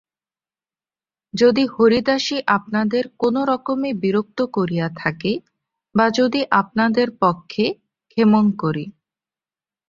যদি হরিদাসী আপনাদের কোনোরকমে বিরক্ত করিয়া থাকে, বা যদি আপনাদের পক্ষে— ক্ষেমংকরী।